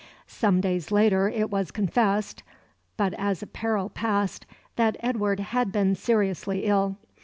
Some days later it was confessed, but as a peril past, that Edward had been seriously ill.